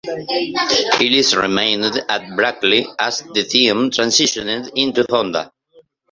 Ellis remained at Brackley as the team transitioned into Honda.